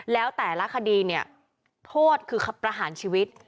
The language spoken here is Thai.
แล้วแต่ละคดีโทษคือขับประหารชีวิต